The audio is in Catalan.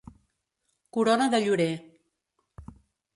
Corona de llorer.